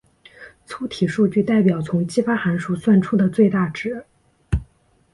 粗体数据代表从激发函数算出的最大值。